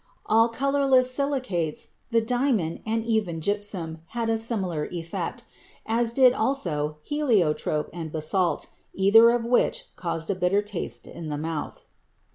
All colorless silicates, the diamond, and even gypsum, had a similar effect, as did also heliotrope and basalt, either of which caused a bitter taste in the mouth.